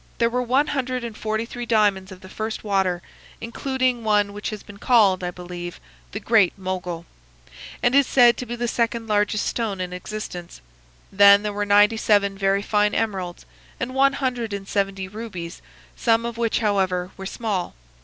There were one hundred and forty three diamonds of the first water, including one which has been called, I believe, 'the Great Mogul' and is said to be the second largest stone in existence. Then there were ninety seven very fine emeralds, and one hundred and seventy rubies, some of which, however, were small.